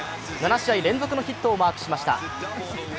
７試合連続のヒットをマークしました。